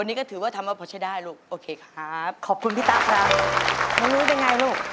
เช่นเมื่อไหร่ไหนก็เคยผ่านด้วย